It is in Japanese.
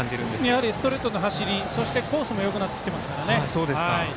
やはりストレートの走りコースもよくなってきてますから。